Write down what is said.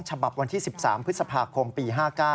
ฉบับวันที่๑๓พฤษภาคมปี๕๙